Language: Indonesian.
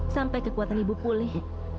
sampai kekuatan ibu pulih